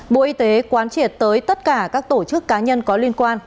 bộ y tế quán triệt tới tất cả các tổ chức cá nhân có liên quan